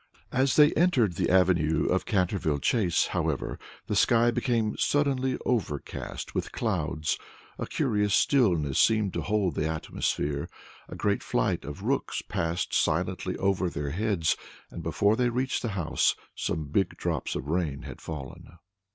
As they entered the avenue of Canterville Chase, however, the sky became suddenly overcast with clouds, a curious stillness seemed to hold the atmosphere, a great flight of rooks passed silently over their heads, and, before they reached the house, some big drops of rain had fallen.